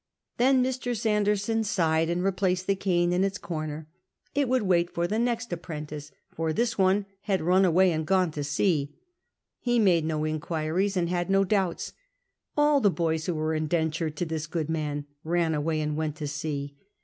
Then Mr. Sanderson sighed and replaced the cane in its comer. It would wait for the next apprentice, for this one had run aw^ay an<l gone to sea. He made no inquiries, and had no doiihts. All the boys who were indentured to this good man ran away and went to sea.